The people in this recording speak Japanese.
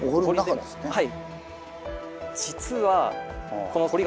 はい。